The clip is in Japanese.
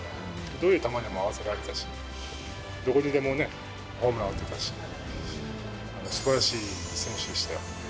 どういう球でも合わせてもらったし、どこにでもホームラン打てたし、すばらしい選手でしたよ。